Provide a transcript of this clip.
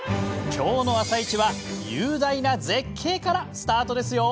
今日の「あさイチ」は雄大な絶景からスタートですよ。